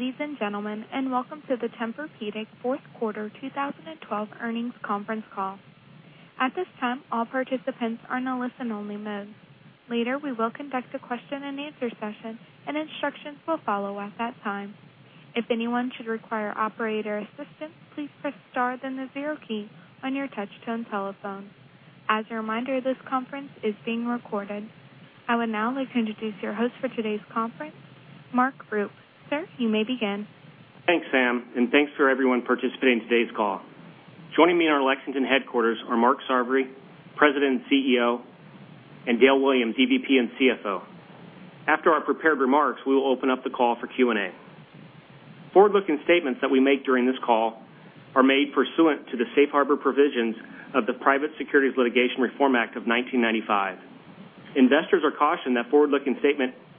Good day, ladies and gentlemen, welcome to the Tempur-Pedic fourth quarter 2012 earnings conference call. At this time, all participants are in a listen-only mode. Later, we will conduct a question-and-answer session, and instructions will follow at that time. If anyone should require operator assistance, please press star then the zero key on your touch-tone telephone. As a reminder, this conference is being recorded. I would now like to introduce your host for today's conference, Mark Rupe. Sir, you may begin. Thanks, Sam, thanks for everyone participating in today's call. Joining me in our Lexington headquarters are Mark Sarvary, President and CEO, and Dale Williams, EVP and CFO. After our prepared remarks, we will open up the call for Q&A. Forward-looking statements that we make during this call are made pursuant to the Safe Harbor provisions of the Private Securities Litigation Reform Act of 1995. Investors are cautioned that forward-looking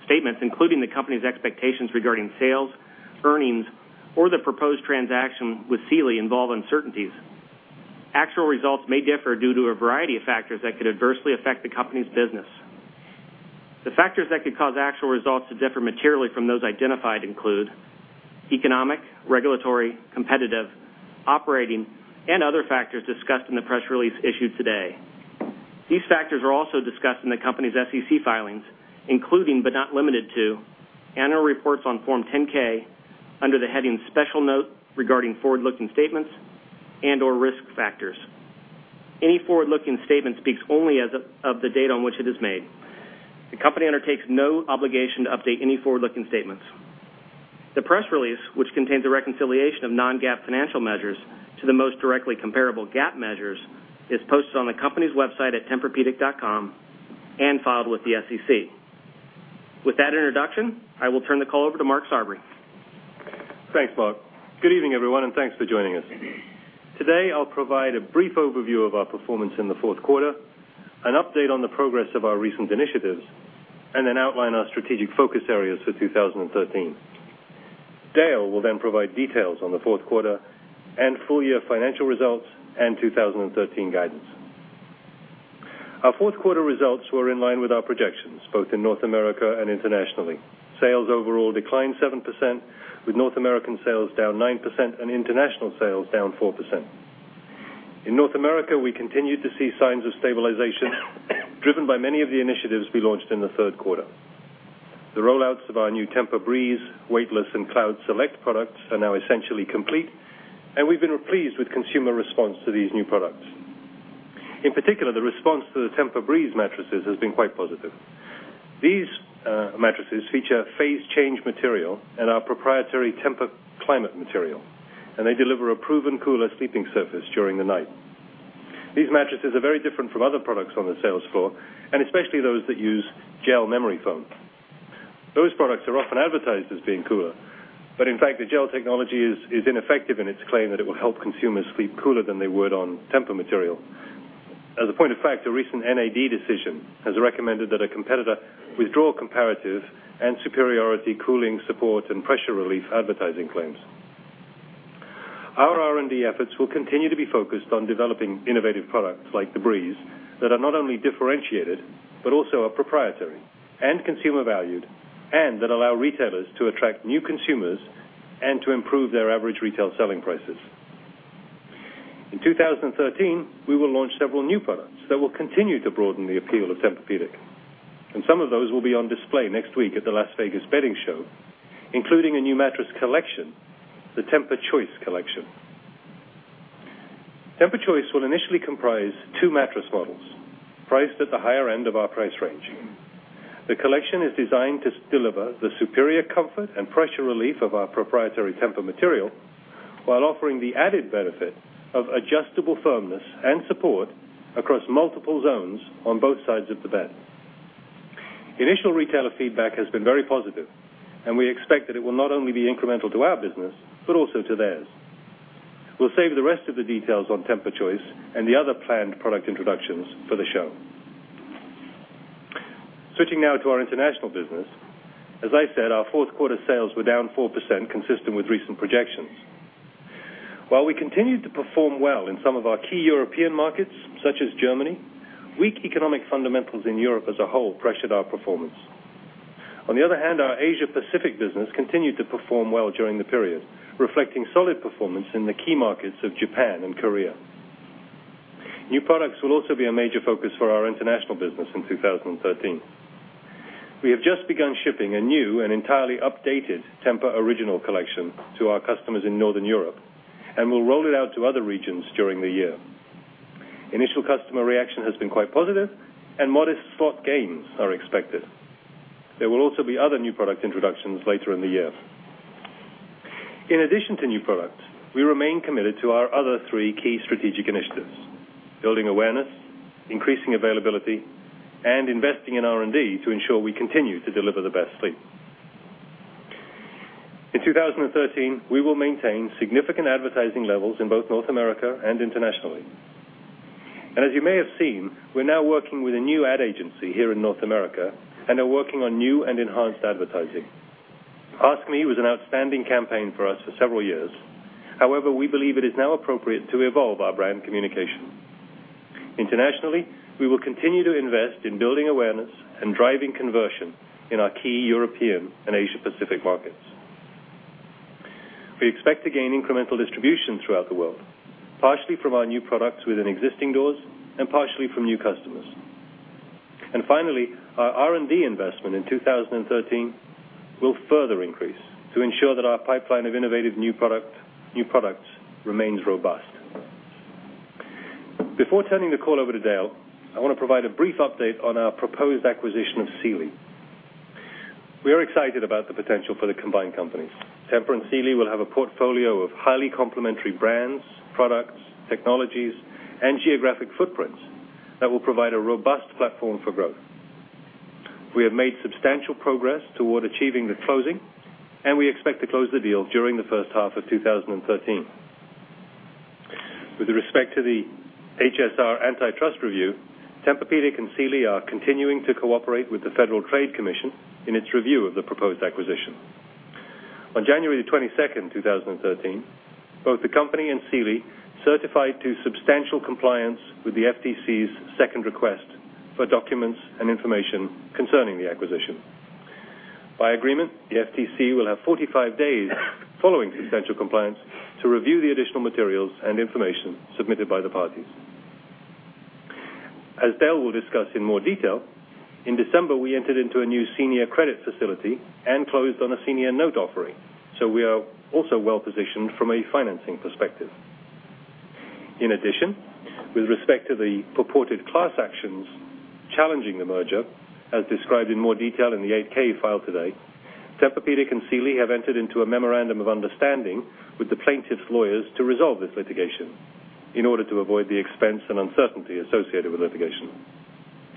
statements, including the company's expectations regarding sales, earnings, or the proposed transaction with Sealy involve uncertainties. Actual results may differ due to a variety of factors that could adversely affect the company's business. The factors that could cause actual results to differ materially from those identified include economic, regulatory, competitive, operating, and other factors discussed in the press release issued today. These factors are also discussed in the company's SEC filings, including, but not limited to, annual reports on Form 10-K under the heading Special Note Regarding Forward-Looking Statements and/or Risk Factors. Any forward-looking statement speaks only as of the date on which it is made. The company undertakes no obligation to update any forward-looking statements. The press release, which contains a reconciliation of non-GAAP financial measures to the most directly comparable GAAP measures, is posted on the company's website at tempurpedic.com and filed with the SEC. With that introduction, I will turn the call over to Mark Sarvary. Thanks, Mark. Good evening, everyone, thanks for joining us. Today, I'll provide a brief overview of our performance in the fourth quarter, an update on the progress of our recent initiatives, then outline our strategic focus areas for 2013. Dale will then provide details on the fourth quarter and full-year financial results and 2013 guidance. Our fourth quarter results were in line with our projections, both in North America and internationally. Sales overall declined 7%, with North American sales down 9% and international sales down 4%. In North America, we continued to see signs of stabilization driven by many of the initiatives we launched in the third quarter. The rollouts of our new TEMPUR-Breeze, Weightless, and Cloud Select products are now essentially complete, and we've been pleased with consumer response to these new products. In particular, the response to the TEMPUR-Breeze mattresses has been quite positive. These mattresses feature phase change material and our proprietary TEMPUR-Climate material. They deliver a proven cooler sleeping surface during the night. These mattresses are very different from other products on the sales floor, especially those that use gel memory foam. Those products are often advertised as being cooler, but in fact, the gel technology is ineffective in its claim that it will help consumers sleep cooler than they would on Tempur material. As a point of fact, a recent NAD decision has recommended that a competitor withdraw comparative and superiority cooling support and pressure relief advertising claims. Our R&D efforts will continue to be focused on developing innovative products like the Breeze that are not only differentiated but also are proprietary and consumer valued, that allow retailers to attract new consumers and to improve their average retail selling prices. In 2013, we will launch several new products that will continue to broaden the appeal of Tempur-Pedic. Some of those will be on display next week at the Las Vegas Bedding Show, including a new mattress collection, the TEMPUR-Choice collection. TEMPUR-Choice will initially comprise two mattress models priced at the higher end of our price range. The collection is designed to deliver the superior comfort and pressure relief of our proprietary Tempur material while offering the added benefit of adjustable firmness and support across multiple zones on both sides of the bed. Initial retailer feedback has been very positive. We expect that it will not only be incremental to our business but also to theirs. We'll save the rest of the details on TEMPUR-Choice and the other planned product introductions for the show. Switching now to our international business. As I said, our fourth quarter sales were down 4%, consistent with recent projections. While we continued to perform well in some of our key European markets, such as Germany, weak economic fundamentals in Europe as a whole pressured our performance. On the other hand, our Asia Pacific business continued to perform well during the period, reflecting solid performance in the key markets of Japan and Korea. New products will also be a major focus for our international business in 2013. We have just begun shipping a new and entirely updated TEMPUR Original collection to our customers in Northern Europe. Will roll it out to other regions during the year. Initial customer reaction has been quite positive. Modest slot gains are expected. There will also be other new product introductions later in the year. In addition to new products, we remain committed to our other three key strategic initiatives: building awareness, increasing availability, and investing in R&D to ensure we continue to deliver the best sleep. In 2013, we will maintain significant advertising levels in both North America and internationally. As you may have seen, we're now working with a new ad agency here in North America and are working on new and enhanced advertising. Ask Me was an outstanding campaign for us for several years. However, we believe it is now appropriate to evolve our brand communication. Internationally, we will continue to invest in building awareness and driving conversion in our key European and Asia Pacific markets. We expect to gain incremental distribution throughout the world, partially from our new products within existing doors and partially from new customers. Finally, our R&D investment in 2013 will further increase to ensure that our pipeline of innovative new products remains robust. Before turning the call over to Dale, I want to provide a brief update on our proposed acquisition of Sealy. We are excited about the potential for the combined companies. Tempur and Sealy will have a portfolio of highly complementary brands, products, technologies, and geographic footprints that will provide a robust platform for growth. We have made substantial progress toward achieving the closing, and we expect to close the deal during the first half of 2013. With respect to the HSR antitrust review, Tempur-Pedic and Sealy are continuing to cooperate with the Federal Trade Commission in its review of the proposed acquisition. On January 22, 2013, both the company and Sealy certified to substantial compliance with the FTC's second request for documents and information concerning the acquisition. By agreement, the FTC will have 45 days following substantial compliance to review the additional materials and information submitted by the parties. As Dale will discuss in more detail, in December, we entered into a new senior credit facility and closed on a senior note offering. We are also well-positioned from a financing perspective. In addition, with respect to the purported class actions challenging the merger, as described in more detail in the 8-K filed today, Tempur-Pedic and Sealy have entered into a memorandum of understanding with the plaintiffs' lawyers to resolve this litigation in order to avoid the expense and uncertainty associated with litigation.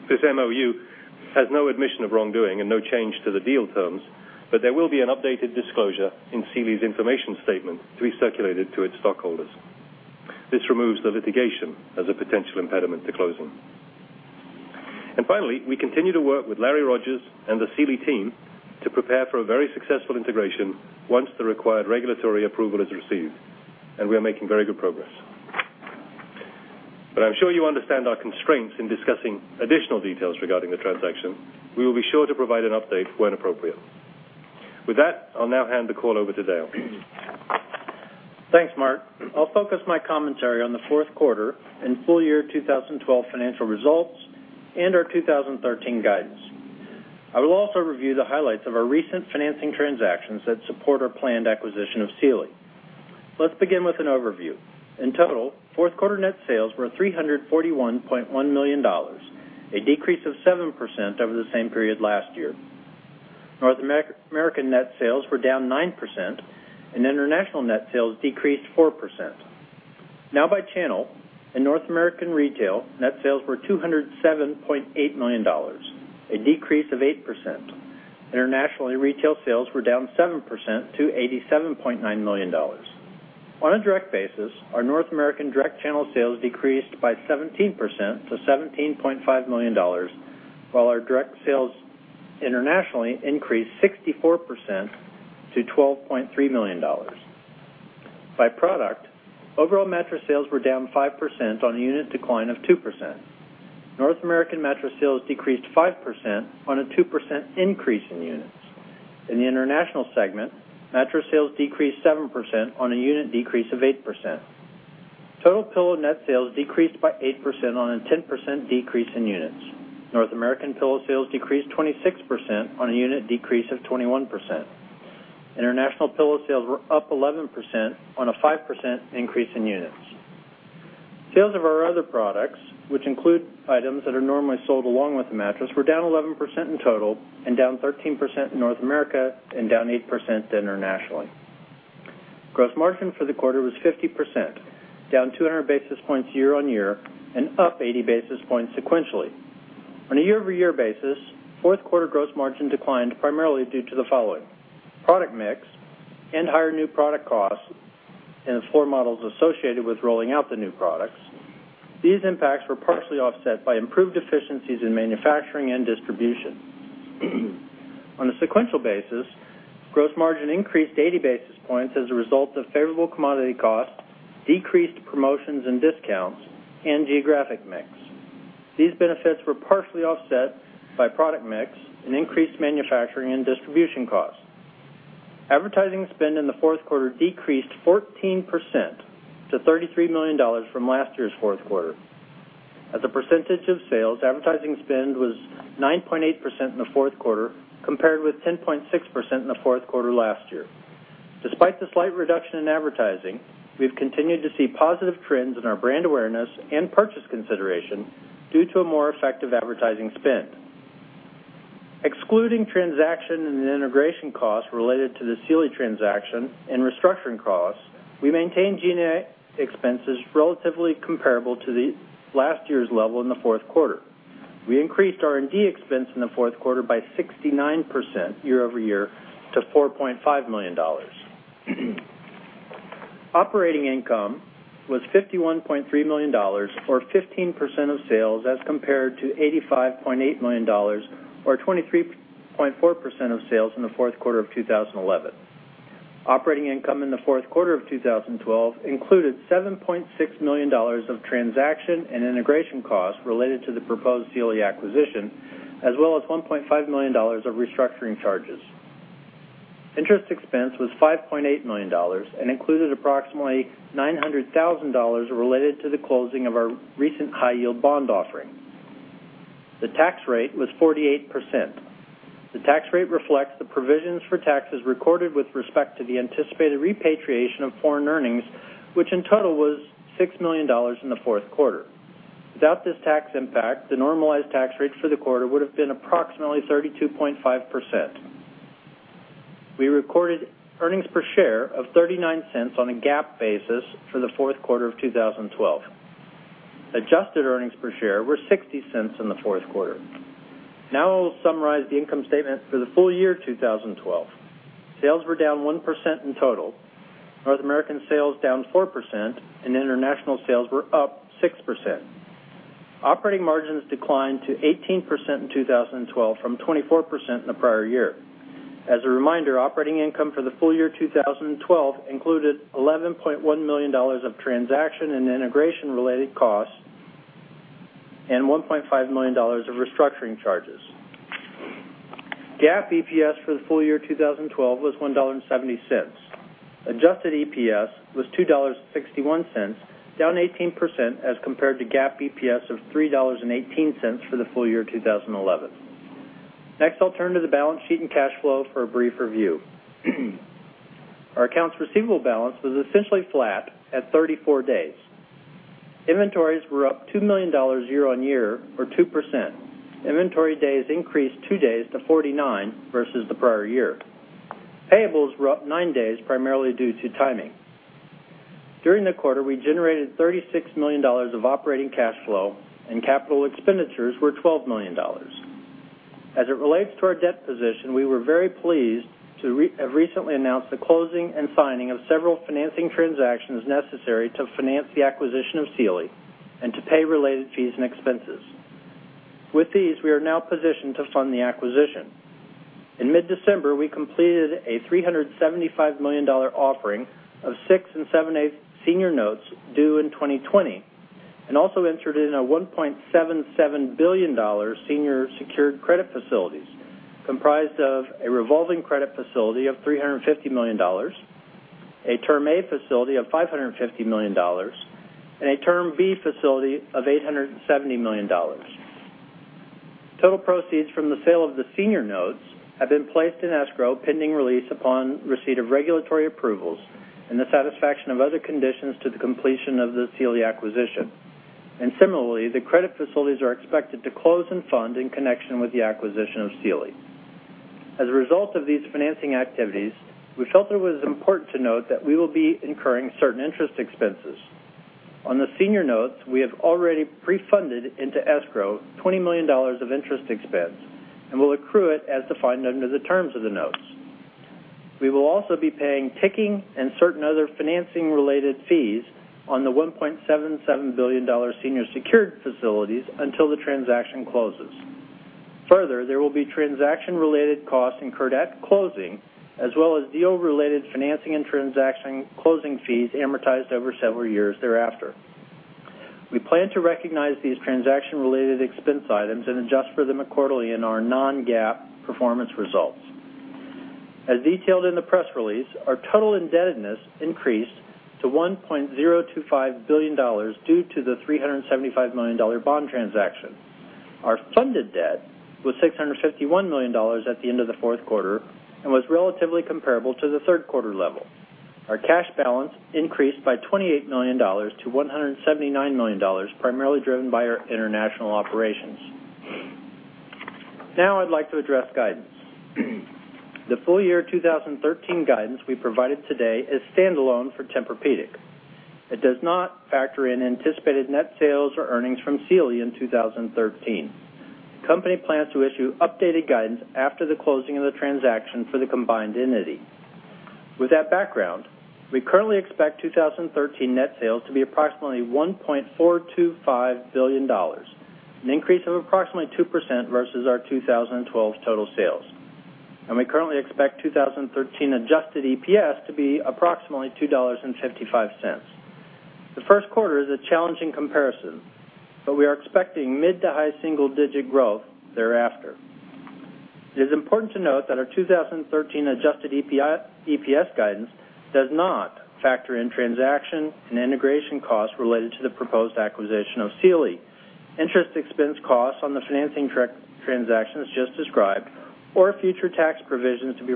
This MOU has no admission of wrongdoing and no change to the deal terms. There will be an updated disclosure in Sealy's information statement to be circulated to its stockholders. This removes the litigation as a potential impediment to closing. Finally, we continue to work with Larry Rogers and the Sealy team to prepare for a very successful integration once the required regulatory approval is received. We are making very good progress. I'm sure you understand our constraints in discussing additional details regarding the transaction. We will be sure to provide an update when appropriate. With that, I'll now hand the call over to Dale. Thanks, Mark. I'll focus my commentary on the fourth quarter and full year 2012 financial results and our 2013 guidance. I will also review the highlights of our recent financing transactions that support our planned acquisition of Sealy. Let's begin with an overview. In total, fourth quarter net sales were $341.1 million, a decrease of 7% over the same period last year. North American net sales were down 9%, and international net sales decreased 4%. Now by channel. In North American retail, net sales were $207.8 million, a decrease of 8%. Internationally, retail sales were down 7% to $87.9 million. On a direct basis, our North American direct channel sales decreased by 17% to $17.5 million, while our direct sales internationally increased 64% to $12.3 million. By product, overall mattress sales were down 5% on a unit decline of 2%. North American mattress sales decreased 5% on a 2% increase in units. In the international segment, mattress sales decreased 7% on a unit decrease of 8%. Total pillow net sales decreased by 8% on a 10% decrease in units. North American pillow sales decreased 26% on a unit decrease of 21%. International pillow sales were up 11% on a 5% increase in units. Sales of our other products, which include items that are normally sold along with the mattress, were down 11% in total, and down 13% in North America and down 8% internationally. Gross margin for the quarter was 50%, down 200 basis points year-on-year and up 80 basis points sequentially. On a year-over-year basis, fourth quarter gross margin declined primarily due to the following: product mix and higher new product costs and the floor models associated with rolling out the new products. These impacts were partially offset by improved efficiencies in manufacturing and distribution. On a sequential basis, gross margin increased 80 basis points as a result of favorable commodity costs, decreased promotions and discounts, and geographic mix. These benefits were partially offset by product mix and increased manufacturing and distribution costs. Advertising spend in the fourth quarter decreased 14% to $33 million from last year's fourth quarter. As a percentage of sales, advertising spend was 9.8% in the fourth quarter, compared with 10.6% in the fourth quarter last year. Despite the slight reduction in advertising, we've continued to see positive trends in our brand awareness and purchase consideration due to a more effective advertising spend. Excluding transaction and integration costs related to the Sealy transaction and restructuring costs, we maintained G&A expenses relatively comparable to last year's level in the fourth quarter. We increased R&D expense in the fourth quarter by 69% year-over-year to $4.5 million. Operating income was $51.3 million, or 15% of sales, as compared to $85.8 million, or 23.4% of sales in the fourth quarter of 2011. Operating income in the fourth quarter of 2012 included $7.6 million of transaction and integration costs related to the proposed Sealy acquisition, as well as $1.5 million of restructuring charges. Interest expense was $5.8 million and included approximately $900,000 related to the closing of our recent high-yield bond offering. The tax rate was 48%. The tax rate reflects the provisions for taxes recorded with respect to the anticipated repatriation of foreign earnings, which in total was $6 million in the fourth quarter. Without this tax impact, the normalized tax rate for the quarter would've been approximately 32.5%. We recorded earnings per share of $0.39 on a GAAP basis for the fourth quarter of 2012. Adjusted earnings per share were $0.60 in the fourth quarter. Now I will summarize the income statement for the full year 2012. Sales were down 1% in total. North American sales down 4%, and international sales were up 6%. Operating margins declined to 18% in 2012 from 24% in the prior year. As a reminder, operating income for the full year 2012 included $11.1 million of transaction and integration related costs and $1.5 million of restructuring charges. GAAP EPS for the full year 2012 was $1.70. Adjusted EPS was $2.61, down 18% as compared to GAAP EPS of $3.18 for the full year 2011. Next, I'll turn to the balance sheet and cash flow for a brief review. Our accounts receivable balance was essentially flat at 34 days. Inventories were up $2 million year-over-year, or 2%. Inventory days increased two days to 49 versus the prior year. Payables were up nine days, primarily due to timing. During the quarter, we generated $36 million of operating cash flow, and capital expenditures were $12 million. As it relates to our debt position, we were very pleased to have recently announced the closing and signing of several financing transactions necessary to finance the acquisition of Sealy and to pay related fees and expenses. With these, we are now positioned to fund the acquisition. In mid-December, we completed a $375 million offering of six and seven-eighths senior notes due in 2020, and also entered in a $1.77 billion senior secured credit facilities comprised of a revolving credit facility of $350 million, a Term A facility of $550 million, and a Term B facility of $870 million. Total proceeds from the sale of the senior notes have been placed in escrow pending release upon receipt of regulatory approvals and the satisfaction of other conditions to the completion of the Sealy acquisition. Similarly, the credit facilities are expected to close and fund in connection with the acquisition of Sealy. As a result of these financing activities, we felt it was important to note that we will be incurring certain interest expenses. On the senior notes, we have already pre-funded into escrow $20 million of interest expense and will accrue it as defined under the terms of the notes. We will also be paying ticking and certain other financing related fees on the $1.77 billion senior secured facilities until the transaction closes. Further, there will be transaction related costs incurred at closing as well as deal related financing and transaction closing fees amortized over several years thereafter. We plan to recognize these transaction related expense items and adjust for them quarterly in our non-GAAP performance results. As detailed in the press release, our total indebtedness increased to $1.025 billion due to the $375 million bond transaction. Our funded debt was $651 million at the end of the fourth quarter and was relatively comparable to the third quarter level. Our cash balance increased by $28 million to $179 million, primarily driven by our international operations. I'd like to address guidance. The full year 2013 guidance we provided today is standalone for Tempur-Pedic. It does not factor in anticipated net sales or earnings from Sealy in 2013. The company plans to issue updated guidance after the closing of the transaction for the combined entity. With that background, we currently expect 2013 net sales to be approximately $1.425 billion, an increase of approximately 2% versus our 2012 total sales. We currently expect 2013 adjusted EPS to be approximately $2.55. The first quarter is a challenging comparison, but we are expecting mid to high single digit growth thereafter. It is important to note that our 2013 adjusted EPS guidance does not factor in transaction and integration costs related to the proposed acquisition of Sealy. Interest expense costs on the financing transactions just described or future tax provisions to be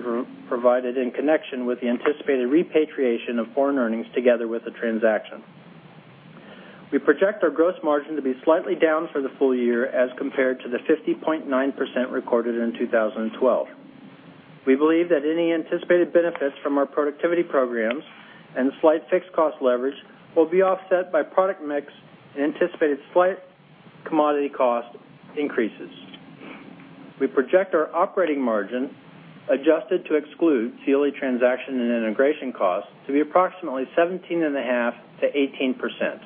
provided in connection with the anticipated repatriation of foreign earnings together with the transaction. We project our gross margin to be slightly down for the full year as compared to the 50.9% recorded in 2012. We believe that any anticipated benefits from our productivity programs and the slight fixed cost leverage will be offset by product mix and anticipated slight commodity cost increases. We project our operating margin, adjusted to exclude Sealy transaction and integration costs, to be approximately 17.5%-18%.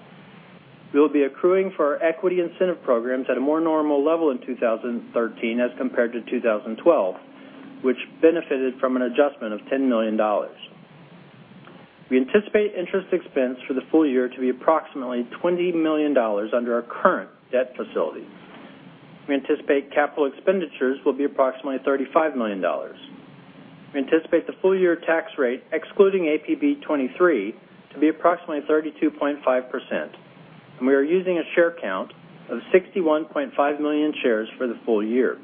We will be accruing for our equity incentive programs at a more normal level in 2013 as compared to 2012, which benefited from an adjustment of $10 million. We anticipate interest expense for the full year to be approximately $20 million under our current debt facility. We anticipate capital expenditures will be approximately $35 million. We anticipate the full year tax rate, excluding APB 23, to be approximately 32.5%, and we are using a share count of 61.5 million shares for the full year.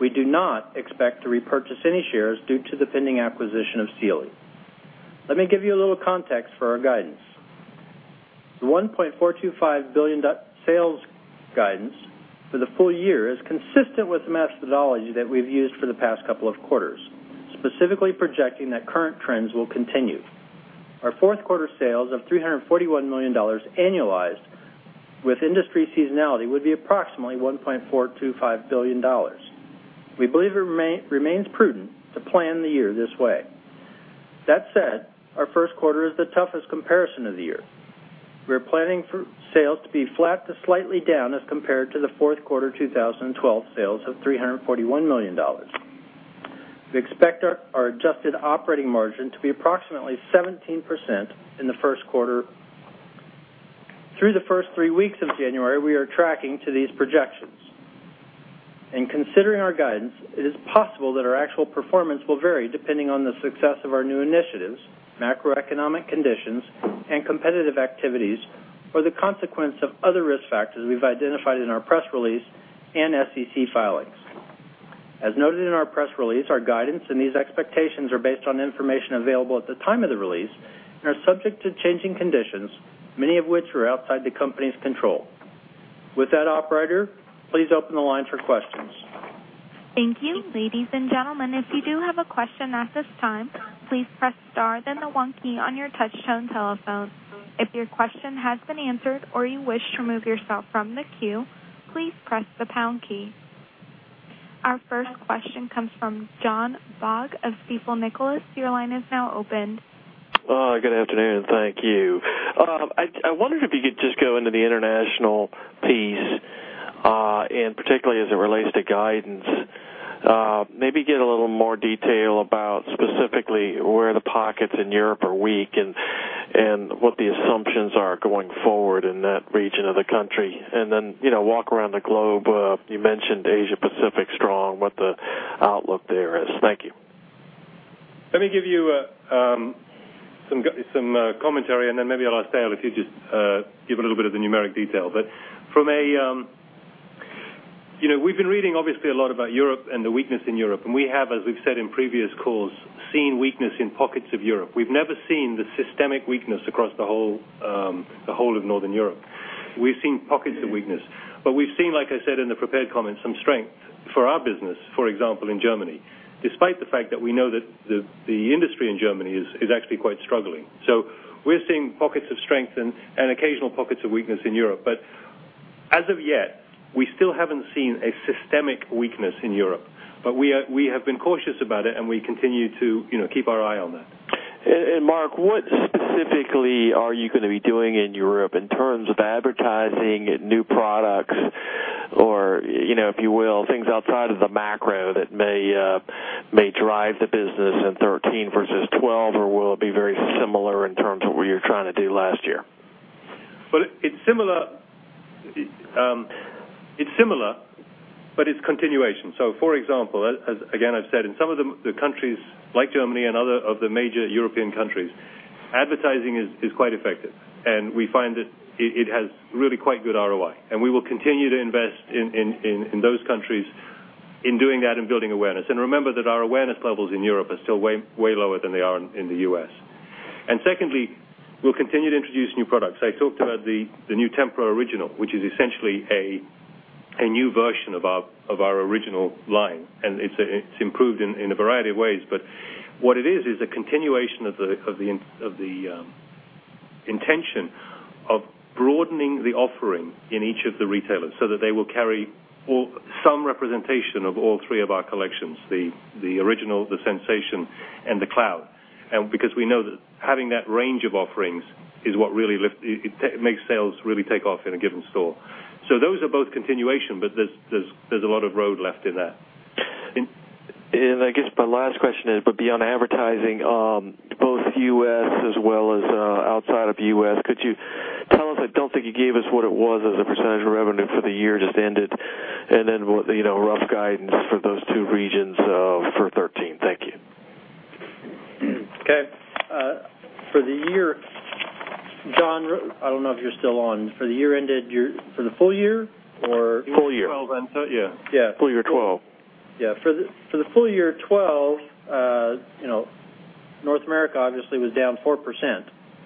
We do not expect to repurchase any shares due to the pending acquisition of Sealy. Let me give you a little context for our guidance. The $1.425 billion sales guidance for the full year is consistent with the methodology that we have used for the past couple of quarters, specifically projecting that current trends will continue. Our fourth quarter sales of $341 million annualized with industry seasonality would be approximately $1.425 billion. We believe it remains prudent to plan the year this way. Our first quarter is the toughest comparison of the year. We are planning for sales to be flat to slightly down as compared to the fourth quarter 2012 sales of $341 million. We expect our adjusted operating margin to be approximately 17% in the first quarter. Through the first three weeks of January, we are tracking to these projections. In considering our guidance, it is possible that our actual performance will vary depending on the success of our new initiatives, macroeconomic conditions, and competitive activities, or the consequence of other risk factors we have identified in our press release and SEC filings. As noted in our press release, our guidance and these expectations are based on information available at the time of the release and are subject to changing conditions, many of which are outside the company's control. With that, operator, please open the line for questions. Thank you. Ladies and gentlemen, if you do have a question at this time, please press star, then the one key on your touchtone telephone. If your question has been answered or you wish to remove yourself from the queue, please press the pound key. Our first question comes from John Baugh of Stifel Nicolaus. Your line is now open. Good afternoon. Thank you. I wondered if you could just go into the international piece, particularly as it relates to guidance. Maybe give a little more detail about specifically where the pockets in Europe are weak and what the assumptions are going forward in that region of the country. Then walk around the globe. You mentioned Asia Pacific strong, what the outlook there is. Thank you. Let me give you some commentary, then maybe I'll ask Dale if he'd just give a little bit of the numeric detail. We've been reading obviously a lot about Europe and the weakness in Europe, we have, as we've said in previous calls, seen weakness in pockets of Europe. We've never seen the systemic weakness across the whole of Northern Europe. We've seen pockets of weakness. We've seen, like I said in the prepared comments, some strength for our business, for example, in Germany, despite the fact that we know that the industry in Germany is actually quite struggling. We're seeing pockets of strength and occasional pockets of weakness in Europe. As of yet, we still haven't seen a systemic weakness in Europe. We have been cautious about it, and we continue to keep our eye on that. Mark, what specifically are you going to be doing in Europe in terms of advertising new products or, if you will, things outside of the macro that may drive the business in 2013 versus 2012? Will it be very similar in terms of what you were trying to do last year? It's similar, it's continuation. For example, as again, I've said, in some of the countries like Germany and other of the major European countries, advertising is quite effective, we find that it has really quite good ROI. We will continue to invest in those countries in doing that and building awareness. Remember that our awareness levels in Europe are still way lower than they are in the U.S. Secondly, we'll continue to introduce new products. I talked about the new TEMPUR Original, which is essentially a new version of our original line, it's improved in a variety of ways. What it is a continuation of the intention of broadening the offering in each of the retailers so that they will carry some representation of all three of our collections, the Original, the Sensation, and the Cloud. Because we know that having that range of offerings is what really makes sales really take off in a given store. Those are both continuation, but there's a lot of road left in that. I guess my last question is, but beyond advertising, both U.S. as well as outside of the U.S., could you tell us, I don't think you gave us what it was as a percentage of revenue for the year just ended, and then rough guidance for those two regions for 2013. Thank you. Okay. For the year, John, I don't know if you're still on. For the full year or- Full year. 2012 then. Yeah. Yeah. Full year 2012. Yeah. For the full year 2012, North America obviously was down 4%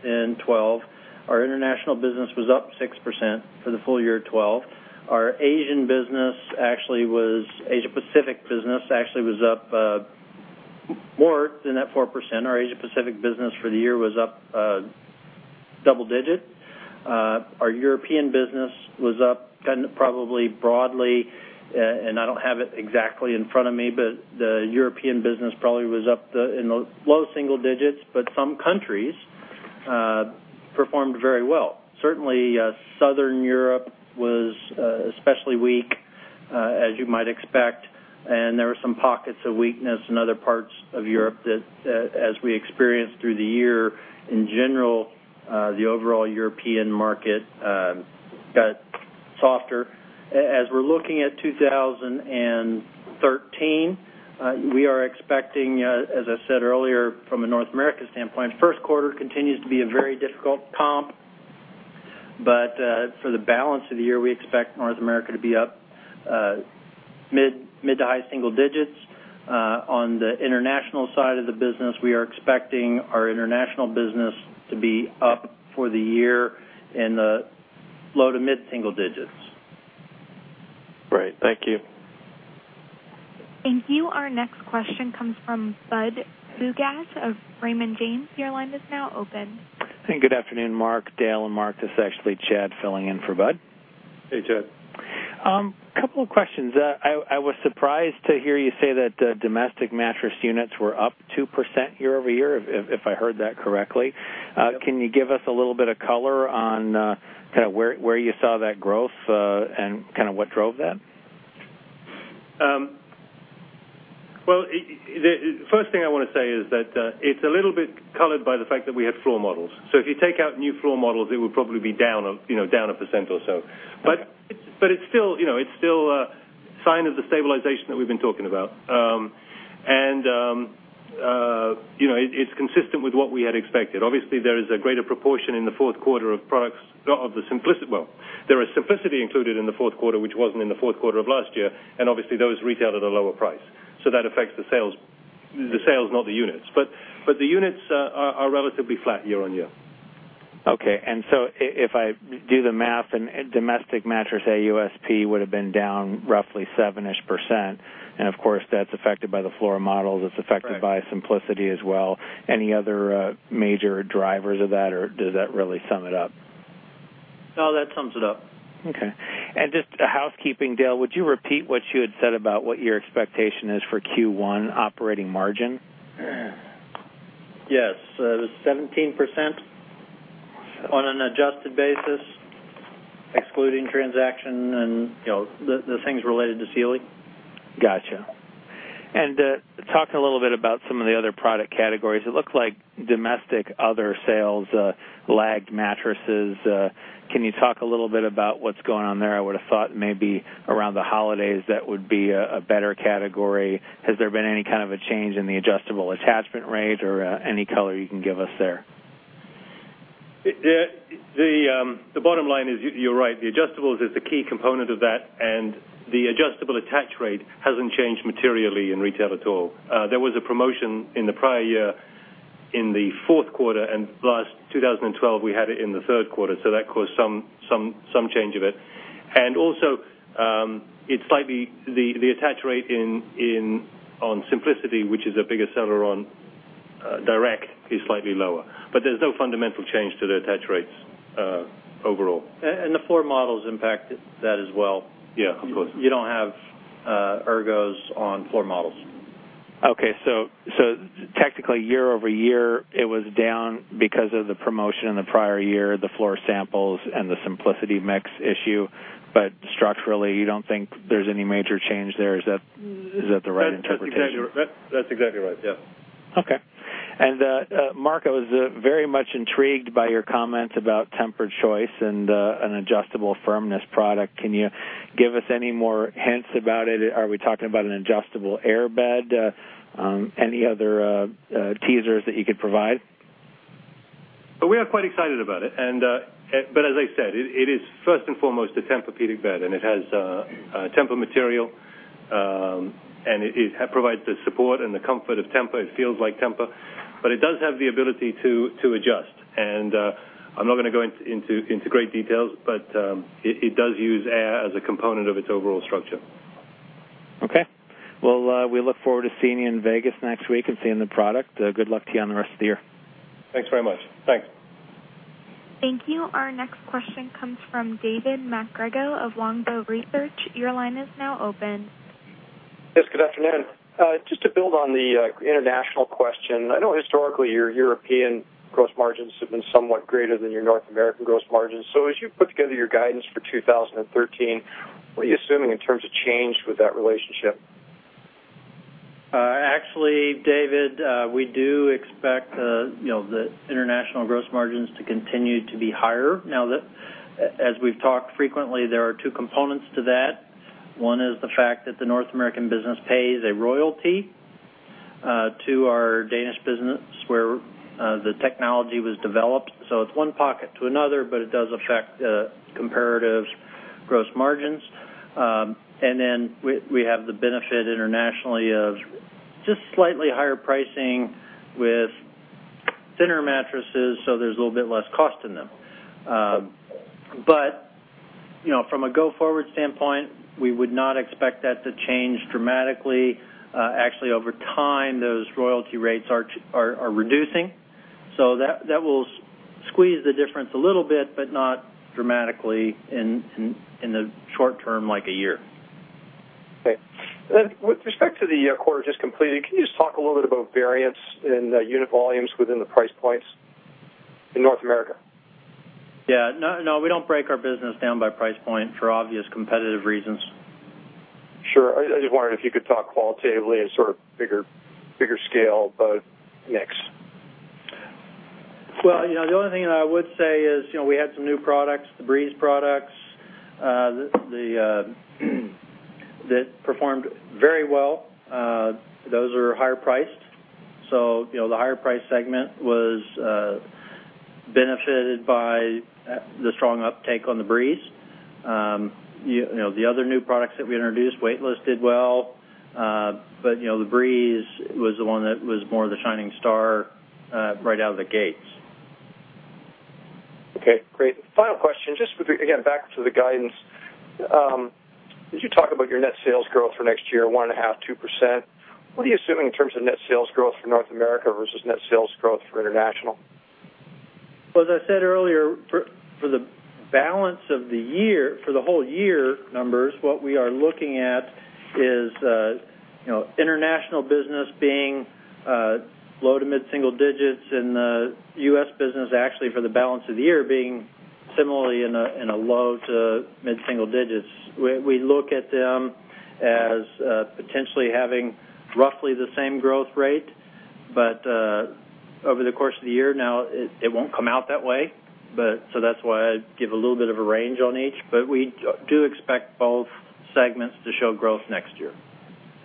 in 2012. Our international business was up 6% for the full year 2012. Our Asia Pacific business actually was up more than that 4%. Our Asia Pacific business for the year was up double digits. Our European business was up probably broadly, and I don't have it exactly in front of me, but the European business probably was up in the low single digits. But some countries Performed very well. Southern Europe was especially weak, as you might expect, and there were some pockets of weakness in other parts of Europe that as we experienced through the year, in general, the overall European market got softer. As we're looking at 2013, we are expecting, as I said earlier, from a North America standpoint, first quarter continues to be a very difficult comp, but for the balance of the year, we expect North America to be up mid to high single digits. On the international side of the business, we are expecting our international business to be up for the year in the low to mid single digits. Great. Thank you. Thank you. Our next question comes from Budd Bugatch of Raymond James. Your line is now open. Good afternoon, Mark, Dale, and Mark. This is actually Chad filling in for Bud. Hey, Chad. Couple of questions. I was surprised to hear you say that domestic mattress units were up 2% year-over-year, if I heard that correctly. Yep. Can you give us a little bit of color on where you saw that growth and what drove that? Well, first thing I want to say is that it's a little bit colored by the fact that we have floor models. If you take out new floor models, it would probably be down 1% or so. Okay. It's still a sign of the stabilization that we've been talking about. It's consistent with what we had expected. Obviously, there is a greater proportion in the fourth quarter of products of the Simplicity included in the fourth quarter, which wasn't in the fourth quarter of last year, and obviously those retailed at a lower price. That affects the sales, not the units. The units are relatively flat year-on-year. Okay. If I do the math and domestic mattress AUSP would've been down roughly seven-ish%, and of course, that's affected by the floor models- Right it's affected by Simplicity as well. Any other major drivers of that, or does that really sum it up? No, that sums it up. Okay. Just a housekeeping, Dale, would you repeat what you had said about what your expectation is for Q1 operating margin? Yes. 17% on an adjusted basis, excluding transaction and the things related to Sealy. Got you. Talk a little bit about some of the other product categories. It looks like domestic other sales lagged mattresses. Can you talk a little bit about what's going on there? I would've thought maybe around the holidays that would be a better category. Has there been any kind of a change in the adjustable attachment rate or any color you can give us there? The bottom line is you're right. The adjustables is the key component of that, the adjustable attach rate hasn't changed materially in retail at all. There was a promotion in the prior year in the fourth quarter, last 2012, we had it in the third quarter, That caused some change of it. Also, the attach rate on Simplicity, which is a bigger seller on direct, is slightly lower. There's no fundamental change to the attach rates overall. The floor models impact that as well. Yeah, of course. You don't have Ergos on floor models. Technically year-over-year, it was down because of the promotion in the prior year, the floor samples, and the Simplicity mix issue. Structurally, you don't think there's any major change there. Is that the right interpretation? That's exactly right. Yes. Mark, I was very much intrigued by your comments about TEMPUR-Choice and an adjustable firmness product. Can you give us any more hints about it? Are we talking about an adjustable airbed? Any other teasers that you could provide? We are quite excited about it. As I said, it is first and foremost a Tempur-Pedic bed, and it has Tempur material, and it provides the support and the comfort of Tempur. It feels like Tempur. It does have the ability to adjust. I'm not going to go into great details, but it does use air as a component of its overall structure. Okay. Well, we look forward to seeing you in Vegas next week and seeing the product. Good luck to you on the rest of the year. Thanks very much. Thanks. Thank you. Our next question comes from David MacGregor of Longbow Research. Your line is now open. Yes. Good afternoon. Just to build on the international question, I know historically your European gross margins have been somewhat greater than your North American gross margins. As you put together your guidance for 2013, what are you assuming in terms of change with that relationship? Actually, David, we do expect the international gross margins to continue to be higher now that as we've talked frequently, there are two components to that. One is the fact that the North American business pays a royalty to our Danish business where the technology was developed. It's one pocket to another, but it does affect comparatives gross margins. We have the benefit internationally of just slightly higher pricing with thinner mattresses, so there's a little bit less cost in them. From a go forward standpoint, we would not expect that to change dramatically. Actually, over time, those royalty rates are reducing. That will squeeze the difference a little bit, but not dramatically in the short term, like a year. Okay. With respect to the quarter just completed, can you just talk a little bit about variance in unit volumes within the price points in North America? Yeah. No, we don't break our business down by price point for obvious competitive reasons. Sure. I just wondered if you could talk qualitatively as sort of bigger scale about mix. Well, the only thing I would say is, we had some new products, the Breeze products, that performed very well. Those are higher priced. The higher price segment was benefited by the strong uptake on the Breeze. The other new products that we introduced, Weightless, did well. The Breeze was the one that was more the shining star right out of the gates. Okay, great. Final question, just with, again, back to the guidance. As you talk about your net sales growth for next year, 1.5%, 2%, what are you assuming in terms of net sales growth for North America versus net sales growth for international? Well, as I said earlier, for the balance of the year, for the whole year numbers, what we are looking at is international business being low to mid-single digits and the U.S. business actually for the balance of the year being similarly in a low to mid-single digits. We look at them as potentially having roughly the same growth rate. Over the course of the year now, it won't come out that way, so that's why I give a little bit of a range on each. We do expect both segments to show growth next year.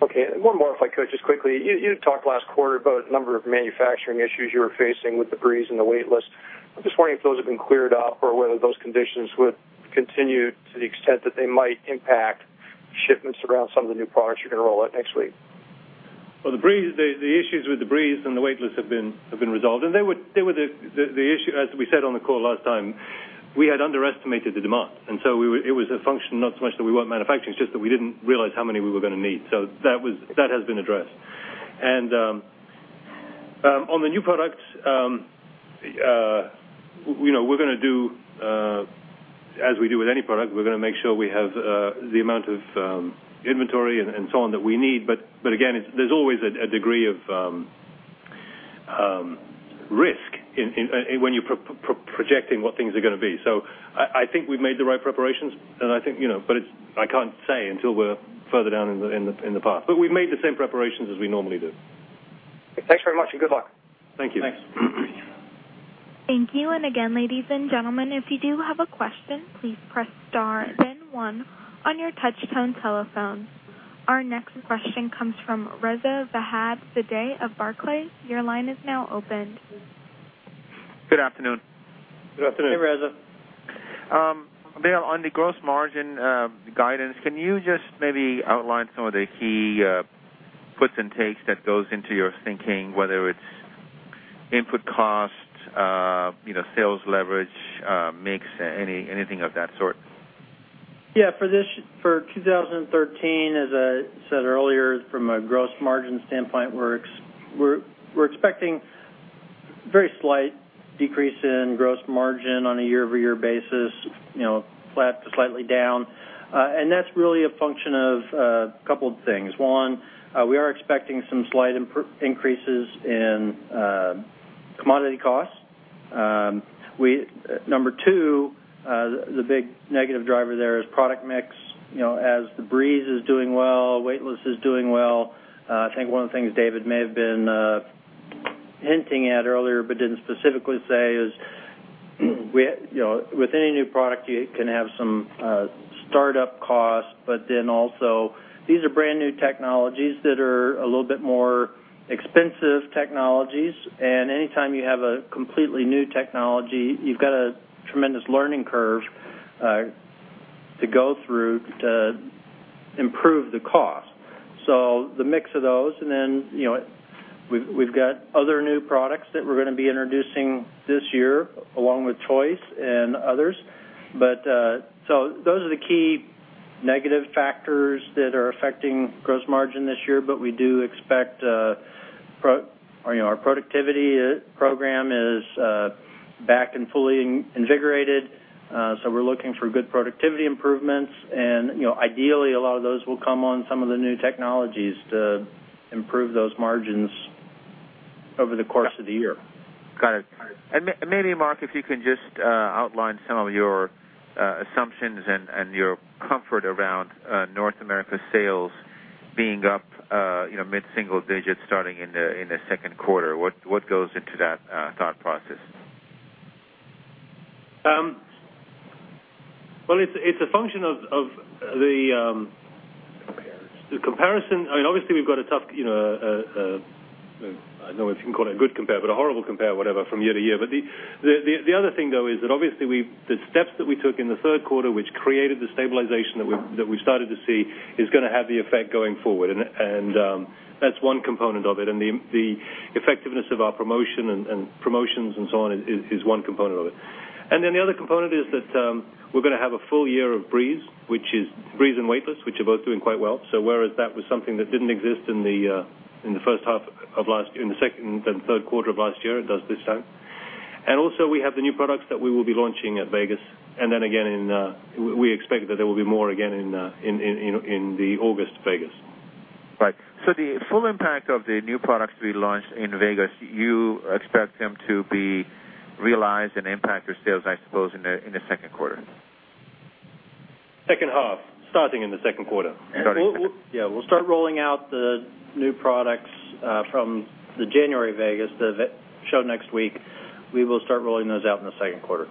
Okay. One more, if I could just quickly. You had talked last quarter about a number of manufacturing issues you were facing with the TEMPUR-Breeze and the TEMPUR-Weightless. I'm just wondering if those have been cleared up or whether those conditions would continue to the extent that they might impact shipments around some of the new products you're going to roll out next week. The issues with the TEMPUR-Breeze and the TEMPUR-Weightless have been resolved, the issue, as we said on the call last time, we had underestimated the demand. It was a function not so much that we weren't manufacturing, it's just that we didn't realize how many we were going to need. That has been addressed. On the new product, as we do with any product, we're going to make sure we have the amount of inventory and so on that we need. Again, there's always a degree of risk when you're projecting what things are going to be. I think we've made the right preparations, I can't say until we're further down in the path. We've made the same preparations as we normally do. Thanks very much and good luck. Thank you. Thanks. Thank you. Again, ladies and gentlemen, if you do have a question, please press star then one on your touch tone telephone. Our next question comes from Reza Vahabzadeh of Barclays. Your line is now open. Good afternoon. Good afternoon. Hey, Reza. Dale, on the gross margin guidance, can you just maybe outline some of the key puts and takes that goes into your thinking, whether it's input cost, sales leverage, mix, anything of that sort? Yeah. For 2013, as I said earlier, from a gross margin standpoint, we're expecting very slight decrease in gross margin on a year-over-year basis, flat to slightly down. That's really a function of a couple of things. One, we are expecting some slight increases in commodity costs. Number two, the big negative driver there is product mix. As the Breeze is doing well, Weightless is doing well. I think one of the things David may have been hinting at earlier but didn't specifically say is, with any new product, you can have some startup costs. Also these are brand-new technologies that are a little bit more expensive technologies, and anytime you have a completely new technology, you've got a tremendous learning curve to go through to improve the cost. The mix of those, and then we've got other new products that we're going to be introducing this year, along with Choice and others. Those are the key negative factors that are affecting gross margin this year. Our productivity program is back and fully invigorated. We're looking for good productivity improvements and ideally, a lot of those will come on some of the new technologies to improve those margins over the course of the year. Got it. Maybe, Mark, if you can just outline some of your assumptions and your comfort around North America sales being up mid-single digits starting in the second quarter. What goes into that thought process? Well, it's a function of Comparison the comparison. Obviously, we've got a tough, I don't know if you can call it a good compare, but a horrible compare, whatever, from year to year. The other thing, though, is that obviously the steps that we took in the third quarter, which created the stabilization that we've started to see, is going to have the effect going forward. That's one component of it. The effectiveness of our promotions and so on is one component of it. The other component is that we're going to have a full year of Breeze and Weightless, which are both doing quite well. Whereas that was something that didn't exist in the third quarter of last year, it does this time. Also we have the new products that we will be launching at Vegas. Again, we expect that there will be more again in the August Vegas. Right. The full impact of the new products to be launched in Vegas, you expect them to be realized and impact your sales, I suppose, in the second quarter. second half, starting in the second quarter. Starting in the second. Yeah. We'll start rolling out the new products from the January Vegas, the show next week. We will start rolling those out in the second quarter.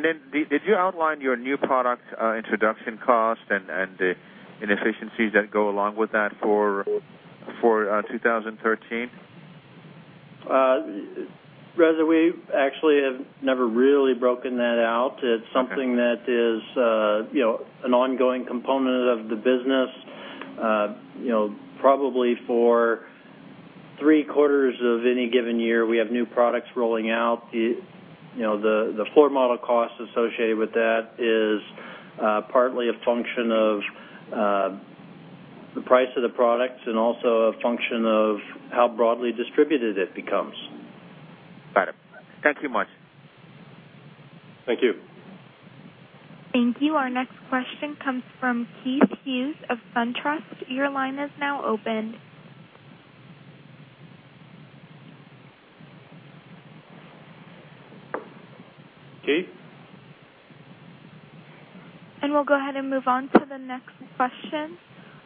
Did you outline your new product introduction cost and the inefficiencies that go along with that for 2013? Reza, we actually have never really broken that out. It's something that is an ongoing component of the business. Probably for three quarters of any given year, we have new products rolling out. The floor model cost associated with that is partly a function of the price of the products and also a function of how broadly distributed it becomes. Got it. Thank you much. Thank you. Thank you. Our next question comes from Keith Hughes of SunTrust. Your line is now open. Keith? We'll go ahead and move on to the next question.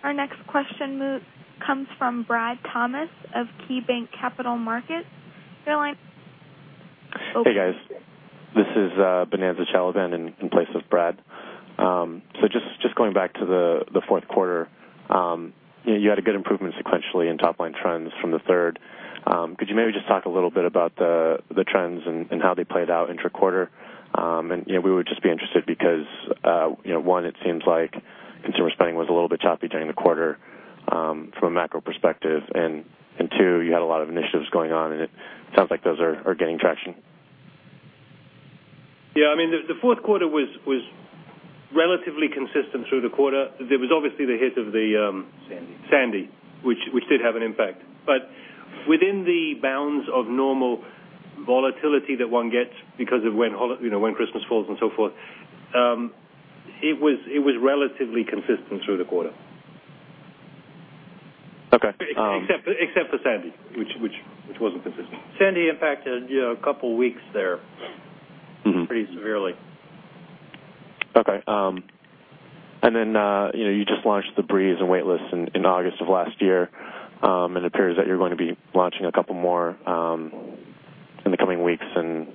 Our next question comes from Bradley Thomas of KeyBanc Capital Markets. Your line is open. Hey, guys. This is Bonanza Chalaban in place of Brad. Just going back to the fourth quarter. You had a good improvement sequentially in top-line trends from the third. Could you maybe just talk a little bit about the trends and how they played out intra-quarter? We would just be interested because, one, it seems like consumer spending was a little bit choppy during the quarter from a macro perspective. Two, you had a lot of initiatives going on, and it sounds like those are getting traction. Yeah. I mean, the fourth quarter was relatively consistent through the quarter. There was obviously the hit of. Sandy Sandy, which did have an impact. Within the bounds of normal volatility that one gets because of when Christmas falls and so forth, it was relatively consistent through the quarter. Okay. Except for Sandy, which wasn't consistent. Sandy impacted a couple of weeks there- pretty severely. Okay. Then you just launched the Breeze and TEMPUR-Weightless in August of last year. It appears that you're going to be launching a couple more in the coming weeks and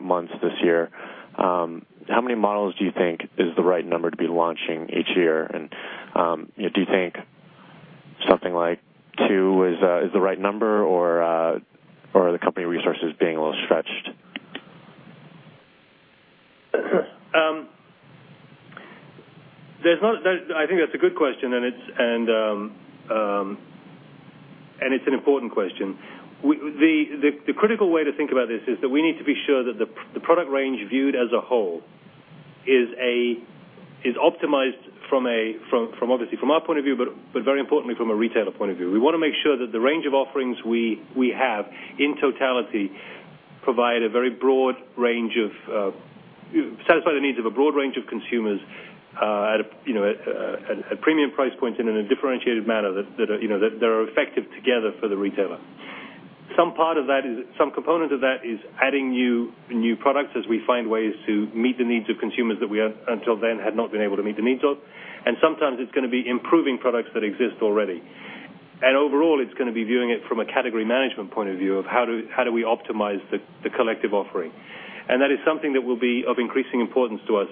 months this year. How many models do you think is the right number to be launching each year? Do you think something like two is the right number, or are the company resources being a little stretched? I think that's a good question, and it's an important question. The critical way to think about this is that we need to be sure that the product range viewed as a whole is optimized obviously from our point of view, but very importantly, from a retailer point of view. We want to make sure that the range of offerings we have in totality satisfy the needs of a broad range of consumers at premium price points and in a differentiated manner that are effective together for the retailer. Some component of that is adding new products as we find ways to meet the needs of consumers that we have until then had not been able to meet the needs of, and sometimes it's going to be improving products that exist already. Overall, it's going to be viewing it from a category management point of view of how do we optimize the collective offering. That is something that will be of increasing importance to us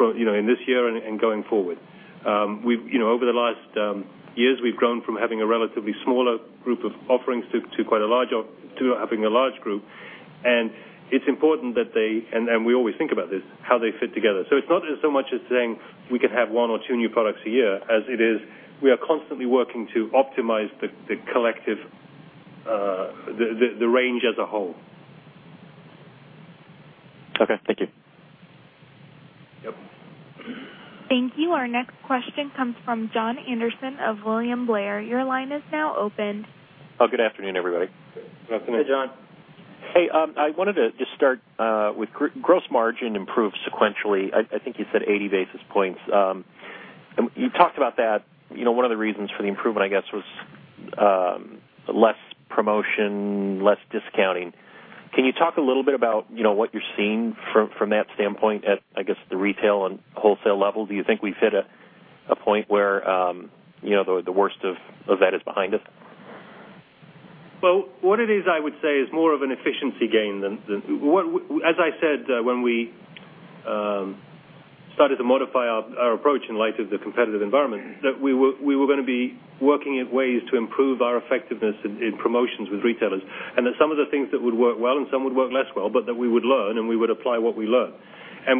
in this year and going forward. Over the last years, we've grown from having a relatively smaller group of offerings to having a large group. It's important that they, and we always think about this, how they fit together. It's not so much as saying we can have one or two new products a year, as it is we are constantly working to optimize the range as a whole. Okay. Thank you. Yep. Thank you. Our next question comes from John Anderson of William Blair. Your line is now open. Good afternoon, everybody. Good afternoon. Hey, John. Hey, I wanted to just start with gross margin improved sequentially. I think you said 80 basis points. You talked about that one of the reasons for the improvement, I guess, was less promotion, less discounting. Can you talk a little bit about what you're seeing from that standpoint at, I guess, the retail and wholesale level? Do you think we've hit a point where the worst of that is behind us? Well, what it is, I would say, is more of an efficiency gain. As I said, when we started to modify our approach in light of the competitive environment, that we were going to be working at ways to improve our effectiveness in promotions with retailers, and that some of the things that would work well and some would work less well, but that we would learn and we would apply what we learn.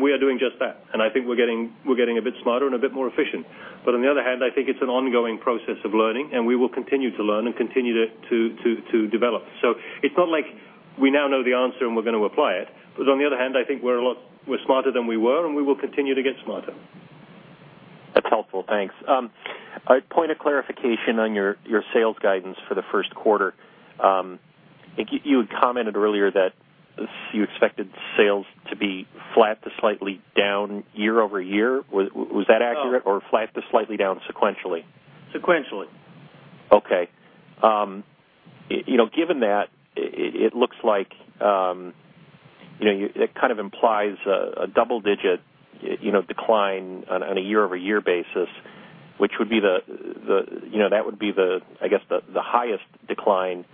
We are doing just that. I think we're getting a bit smarter and a bit more efficient. On the other hand, I think it's an ongoing process of learning, and we will continue to learn and continue to develop. It's not like we now know the answer and we're going to apply it, because on the other hand, I think we're smarter than we were, and we will continue to get smarter. Helpful. Thanks. A point of clarification on your sales guidance for the first quarter. I think you had commented earlier that you expected sales to be flat to slightly down year-over-year. Was that accurate? Oh. Flat to slightly down sequentially? Sequentially. Okay. Given that, it kind of implies a double-digit decline on a year-over-year basis. That would be, I guess, the highest decline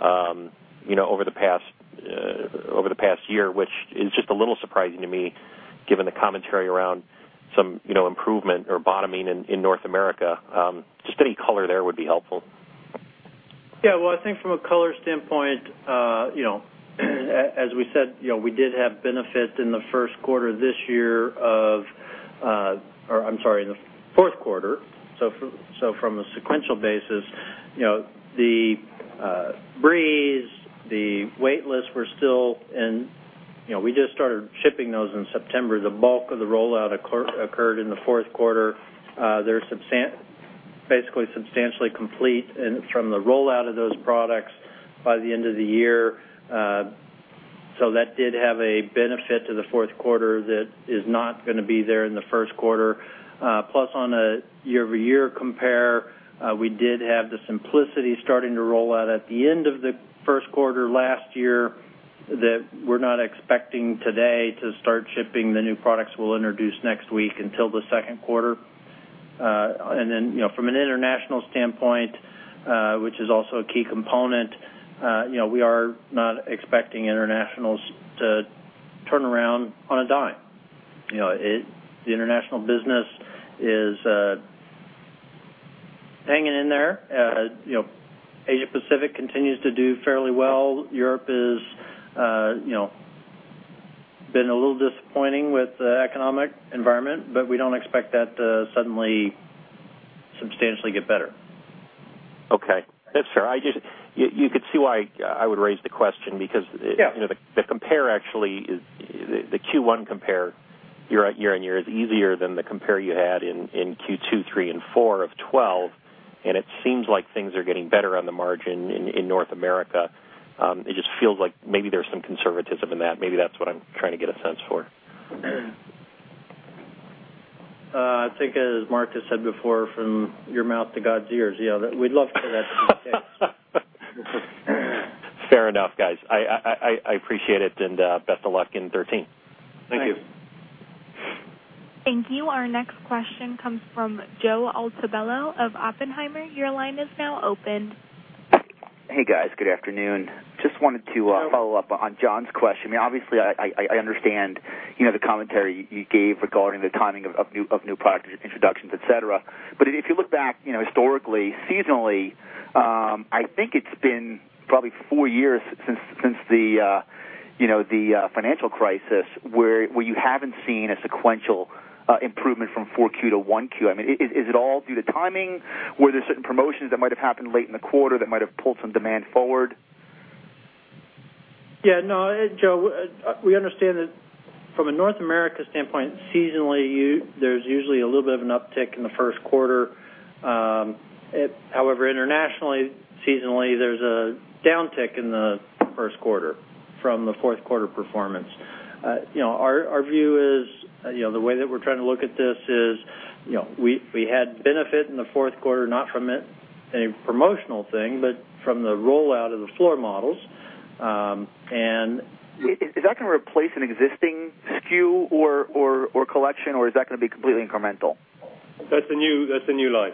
over the past year, which is just a little surprising to me given the commentary around some improvement or bottoming in North America. Just any color there would be helpful. Yeah. Well, I think from a color standpoint, as we said, we did have benefit in the fourth quarter. From a sequential basis, the TEMPUR-Breeze, the TEMPUR-Weightless, we just started shipping those in September. The bulk of the rollout occurred in the fourth quarter. They're basically substantially complete and from the rollout of those products by the end of the year. That did have a benefit to the fourth quarter that is not going to be there in the first quarter. Plus, on a year-over-year compare, we did have the Simplicity starting to roll out at the end of the first quarter last year that we're not expecting today to start shipping the new products we'll introduce next week until the second quarter. From an international standpoint, which is also a key component, we are not expecting internationals to turn around on a dime. The international business is hanging in there. Asia Pacific continues to do fairly well. Europe has been a little disappointing with the economic environment, we don't expect that to suddenly substantially get better. Okay. Sure. You could see why I would raise the question because. Yeah the Q1 compare year-on-year is easier than the compare you had in Q2, Q3 and Q4 of 2012, it seems like things are getting better on the margin in North America. It just feels like maybe there's some conservatism in that. Maybe that's what I'm trying to get a sense for. I think as Mark has said before, from your mouth to God's ears. Yeah, we'd love for that to be the case. Fair enough, guys. I appreciate it, and best of luck in 2013. Thank you. Thank you. Our next question comes from Joe Altobello of Oppenheimer. Your line is now open. Hey, guys. Good afternoon. Just wanted to follow up on John's question. Obviously, I understand the commentary you gave regarding the timing of new product introductions, et cetera, but if you look back historically, seasonally, I think it's been probably four years since the financial crisis where you haven't seen a sequential improvement from 4Q to 1Q. Is it all due to timing? Were there certain promotions that might've happened late in the quarter that might've pulled some demand forward? Yeah. No, Joe, we understand that from a North America standpoint, seasonally, there's usually a little bit of an uptick in the first quarter. However, internationally, seasonally, there's a downtick in the first quarter from the fourth quarter performance. Our view is, the way that we're trying to look at this is, we had benefit in the fourth quarter, not from a promotional thing, but from the rollout of the floor models. Is that going to replace an existing SKU or collection, or is that going to be completely incremental? That's the new line.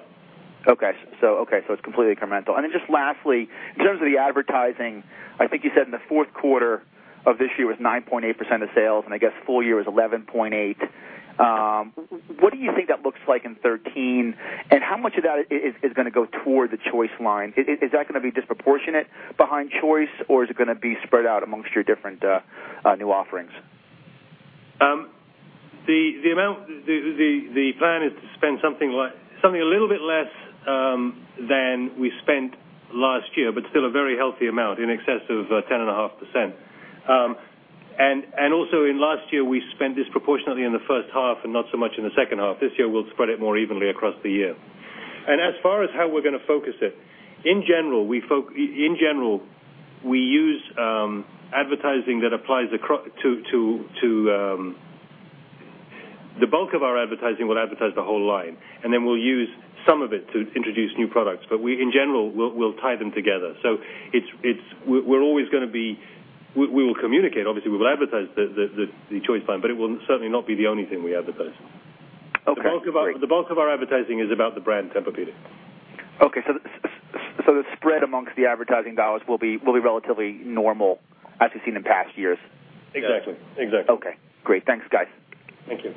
It's completely incremental. Just lastly, in terms of the advertising, I think you said in the fourth quarter of this year was 9.8% of sales, and I guess full year was 11.8%. What do you think that looks like in 2013, and how much of that is going to go toward the Choice line? Is that going to be disproportionate behind Choice, or is it going to be spread out amongst your different new offerings? The plan is to spend something a little bit less than we spent last year, but still a very healthy amount, in excess of 10.5%. In last year, we spent disproportionately in the first half and not so much in the second half. This year, we'll spread it more evenly across the year. As far as how we're going to focus it, in general, the bulk of our advertising will advertise the whole line, then we'll use some of it to introduce new products. In general, we'll tie them together. We will communicate, obviously, we will advertise the Choice line, but it will certainly not be the only thing we advertise. Okay, great. The bulk of our advertising is about the brand Tempur-Pedic. Okay. The spread amongst the advertising dollars will be relatively normal as we've seen in past years. Exactly. Okay, great. Thanks, guys. Thank you.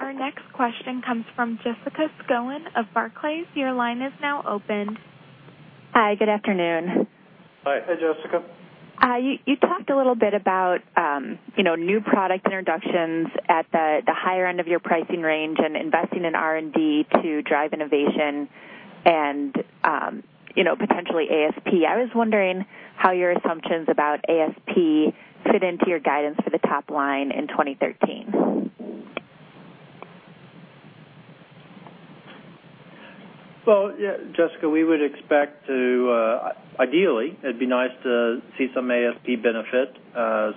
Our next question comes from Jessica Schoen Mace of Barclays. Your line is now open. Hi, good afternoon. Hi. Hi, Jessica. You talked a little bit about new product introductions at the higher end of your pricing range and investing in R&D to drive innovation. Potentially ASP. I was wondering how your assumptions about ASP fit into your guidance for the top line in 2013. Well, Jessica, we would expect to, ideally, it'd be nice to see some ASP benefit.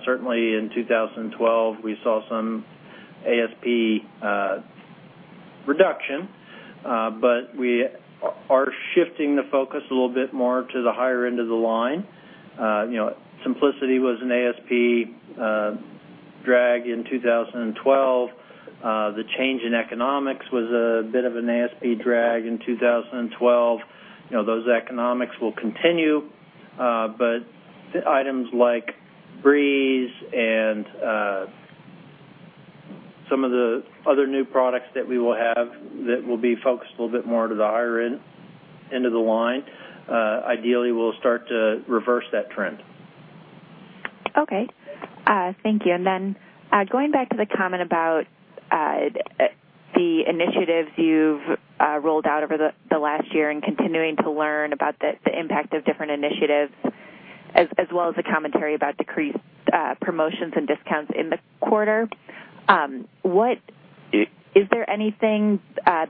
Certainly, in 2012, we saw some ASP reduction. We are shifting the focus a little bit more to the higher end of the line. Simplicity was an ASP drag in 2012. The change in economics was a bit of an ASP drag in 2012. Those economics will continue. Items like TEMPUR-Breeze and some of the other new products that we will have that will be focused a little bit more to the higher end of the line, ideally, will start to reverse that trend. Okay. Thank you. Going back to the comment about the initiatives you've rolled out over the last year and continuing to learn about the impact of different initiatives, as well as the commentary about decreased promotions and discounts in the quarter. Is there anything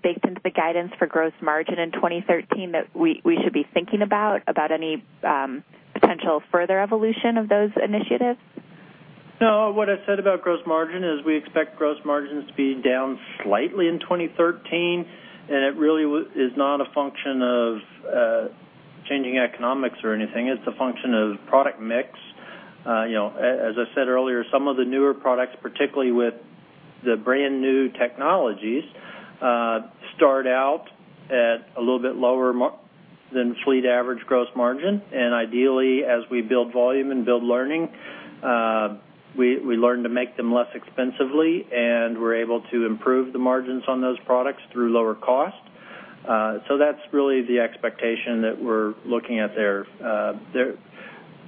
baked into the guidance for gross margin in 2013 that we should be thinking about any potential further evolution of those initiatives? No. What I said about gross margin is we expect gross margins to be down slightly in 2013, it really is not a function of changing economics or anything. It's a function of product mix. As I said earlier, some of the newer products, particularly with the brand-new technologies, start out at a little bit lower than fleet average gross margin. Ideally, as we build volume and build learning, we learn to make them less expensively, and we're able to improve the margins on those products through lower cost. That's really the expectation that we're looking at there.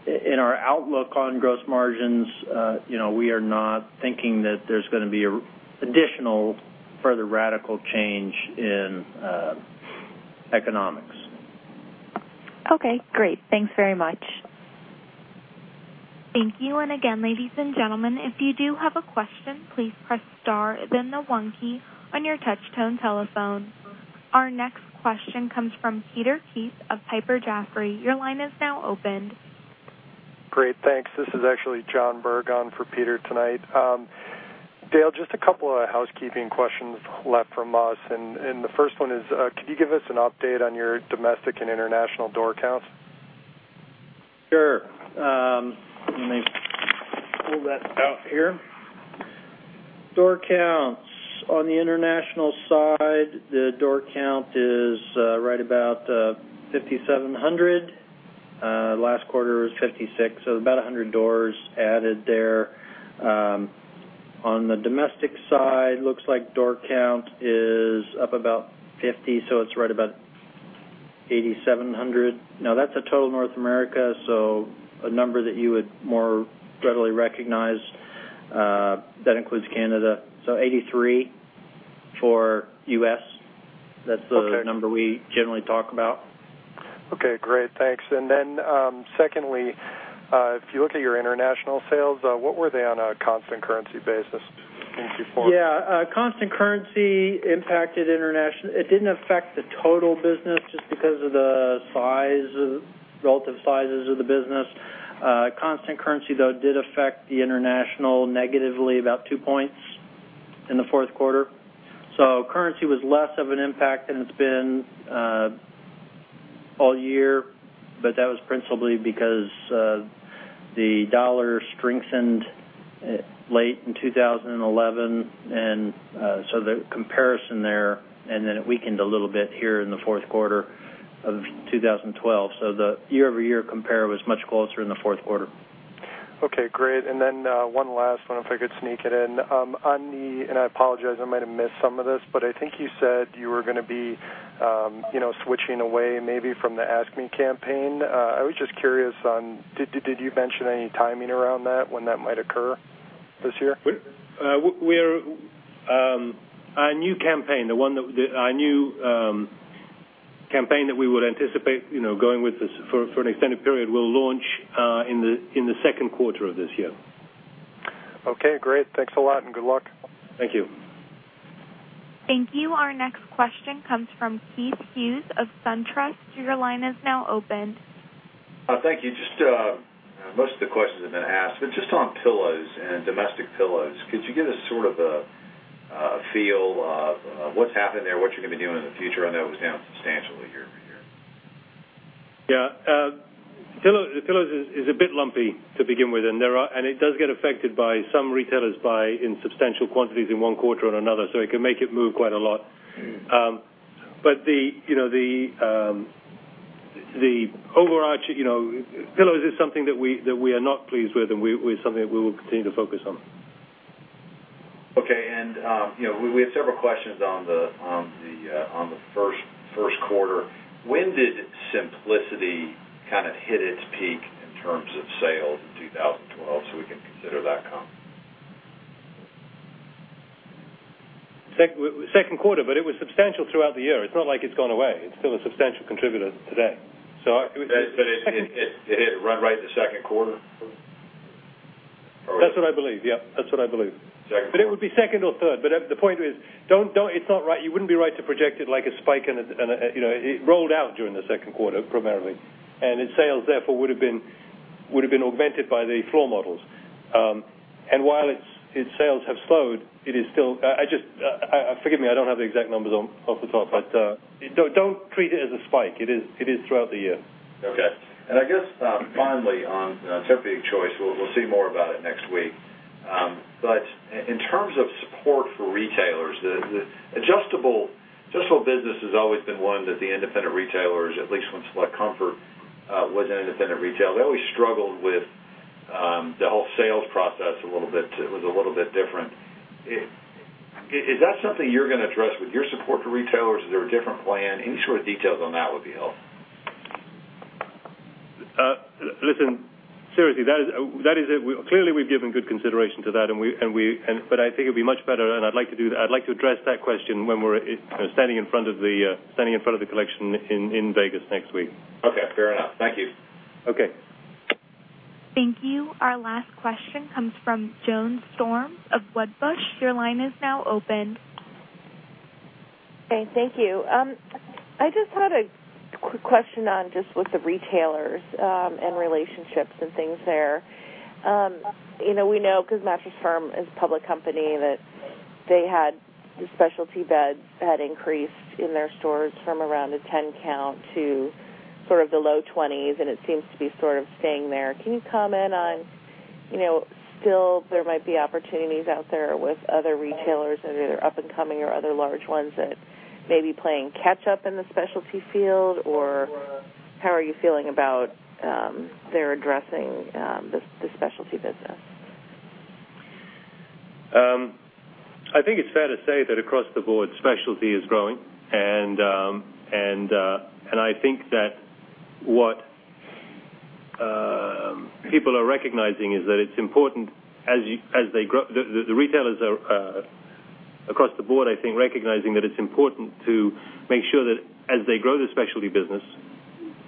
In our outlook on gross margins, we are not thinking that there's going to be additional further radical change in economics. Okay, great. Thanks very much. Thank you. Again, ladies and gentlemen, if you do have a question, please press star then the one key on your touch tone telephone. Our next question comes from Peter Keith of Piper Jaffray. Your line is now open. Great. Thanks. This is actually John Bergen for Peter tonight. Dale, just a couple of housekeeping questions left from us. The first one is, could you give us an update on your domestic and international door counts? Sure. Let me pull that up here. Door counts. On the international side, the door count is right about 5,700. Last quarter was 56, so about 100 doors added there. On the domestic side, looks like door count is up about 50, so it's right about 8,700. Now, that's a total of North America, so a number that you would more readily recognize that includes Canada. So 83 for U.S. Okay. That's the number we generally talk about. Okay, great. Thanks. Secondly, if you look at your international sales, what were they on a constant currency basis in Q4? Yeah. Constant currency impacted international. It didn't affect the total business just because of the relative sizes of the business. Constant currency, though, did affect the international negatively about two points in the fourth quarter. Currency was less of an impact than it's been all year, but that was principally because the dollar strengthened late in 2011. The comparison there, it weakened a little bit here in the fourth quarter of 2012. The year-over-year compare was much closer in the fourth quarter. Okay, great. One last one, if I could sneak it in. On the, I apologize, I might have missed some of this, I think you said you were going to be switching away maybe from the Ask Me campaign. I was just curious on, did you mention any timing around that, when that might occur this year? Our new campaign that we would anticipate going with this for an extended period will launch in the second quarter of this year. Okay, great. Thanks a lot. Good luck. Thank you. Thank you. Our next question comes from Keith Hughes of SunTrust. Your line is now open. Thank you. Most of the questions have been asked. Just on pillows and domestic pillows, could you give us sort of a feel of what's happening there, what you're going to be doing in the future? I know it was down substantially year-over-year. Yeah. Pillows is a bit lumpy to begin with, and it does get affected by some retailers buy in substantial quantities in one quarter or another, so it can make it move quite a lot. The overarching, pillows is something that we are not pleased with, and something that we will continue to focus on. Okay. We had several questions on the first quarter. When did Simplicity kind of hit its peak in terms of sales in 2012 so we can consider that comp? Second quarter. It was substantial throughout the year. It's not like it's gone away. It's still a substantial contributor today. It hit right the second quarter? That's what I believe, yep. Second quarter. It would be second or third, but the point is, you wouldn't be right to project it like a spike. It rolled out during the second quarter, primarily, and its sales, therefore, would've been augmented by the floor models. While its sales have slowed, forgive me, I don't have the exact numbers off the top, but don't treat it as a spike. It is throughout the year. Okay. I guess, finally, on TEMPUR-Choice, we'll see more about it next week. In terms of support for retailers, the adjustable business has always been one that the independent retailers, at least when Select Comfort was an independent retailer, they always struggled with the whole sales process a little bit. It was a little bit different. Is that something you're going to address with your support for retailers? Is there a different plan? Any sort of details on that would be helpful. Listen, seriously, clearly, we've given good consideration to that, I think it'd be much better and I'd like to address that question when we're standing in front of the collection in Vegas next week. Okay, fair enough. Thank you. Okay. Thank you. Our last question comes from Joan Storms of Wedbush. Your line is now open. Okay, thank you. I just had a quick question on with the retailers and relationships and things there. We know, because Mattress Firm is a public company, that the specialty beds had increased in their stores from around a 10 count to sort of the low 20s, and it seems to be sort of staying there. Can you comment on still there might be opportunities out there with other retailers that are either up-and-coming or other large ones that may be playing catch-up in the specialty field, or how are you feeling about their addressing the specialty business? I think it's fair to say that across the board, specialty is growing. I think that what people are recognizing is that it's important as they grow. The retailers are, across the board, I think, recognizing that it's important to make sure that as they grow the specialty business,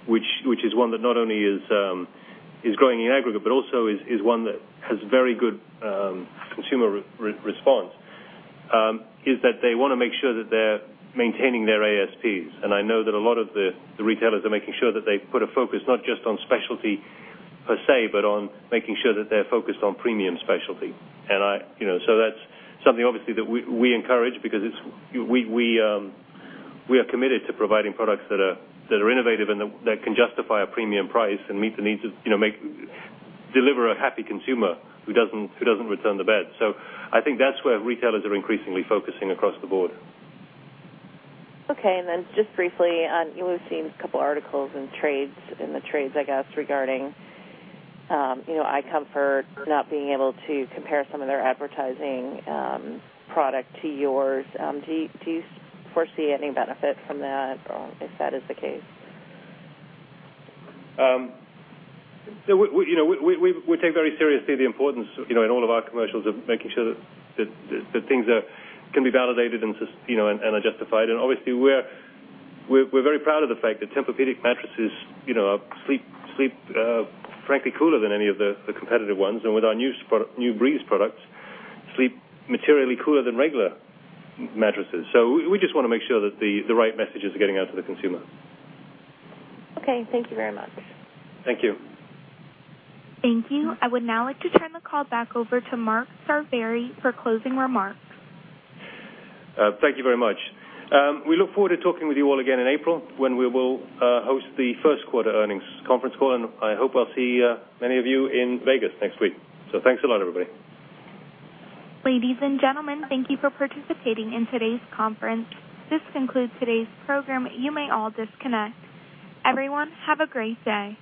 which is one that not only is growing in aggregate, but also is one that has very good consumer response, is that they want to make sure that they're maintaining their ASPs. I know that a lot of the retailers are making sure that they put a focus not just on specialty per se, but on making sure that they're focused on premium specialty. That's something, obviously, that we encourage because we are committed to providing products that are innovative and that can justify a premium price and deliver a happy consumer who doesn't return the bed. I think that's where retailers are increasingly focusing across the board. Okay, just briefly on, we've seen a couple articles in the trades, I guess, regarding iComfort not being able to compare some of their advertising product to yours. Do you foresee any benefit from that if that is the case? We take very seriously the importance in all of our commercials of making sure that things can be validated and are justified. Obviously, we're very proud of the fact that Tempur-Pedic mattresses sleep, frankly, cooler than any of the competitive ones. With our new Breeze products, sleep materially cooler than regular mattresses. We just want to make sure that the right message is getting out to the consumer. Okay. Thank you very much. Thank you. Thank you. I would now like to turn the call back over to Mark Sarvary for closing remarks. Thank you very much. We look forward to talking with you all again in April when we will host the first quarter earnings conference call. I hope I'll see many of you in Vegas next week. Thanks a lot, everybody. Ladies and gentlemen, thank you for participating in today's conference. This concludes today's program. You may all disconnect. Everyone, have a great day.